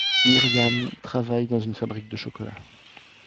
Myriam travaille dans une fabrique de chocolat.